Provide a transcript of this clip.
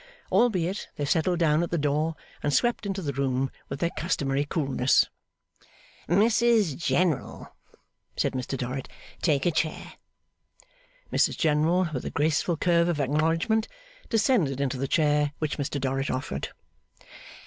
Albeit, they settled down at the door and swept into the room with their customary coolness. 'Mrs General,' said Mr Dorrit, 'take a chair.' Mrs General, with a graceful curve of acknowledgment, descended into the chair which Mr Dorrit offered.